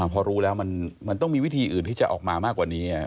พอรู้แล้วมันต้องมีวิธีอื่นที่จะออกมามากกว่านี้